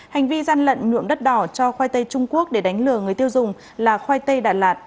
hành vi gian lận nhuộm đất đỏ cho khoai tây trung quốc để đánh lừa người tiêu dùng là khoai tây đà lạt